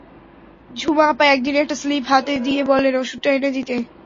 ঝুমা আপা একদিন একটা স্লিপ হাতে দিয়ে বললেন, ওষুধটা এনে দিতে।